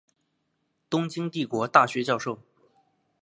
东京帝国大学教授。